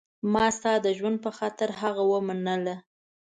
ما ستا د ژوند په خاطر هغه ومنله.